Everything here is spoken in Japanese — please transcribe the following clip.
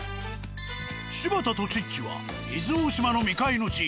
柴田とチッチは伊豆大島の未開の地